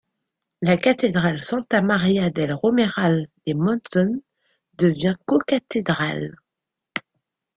La cathédrale Santa María del Romeral de Monzón devient cocathédrale.